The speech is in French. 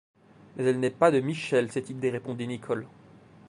Mais elle n’est pas de Michel, cette idée, répondit Nicholl.